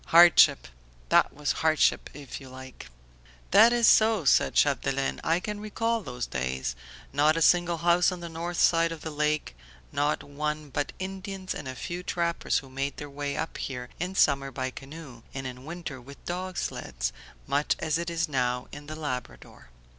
Hardship! That was hardship if you like." "That is so," said Chapdelaine, "I can recall those days. Not a single house on the north side of the lake: no one but Indians and a few trappers who made their way up here in summer by canoe and in winter with dog sleds, much as it is now in the Labrador."